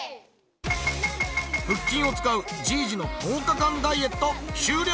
腹筋を使うじいじの１０日間ダイエット終了！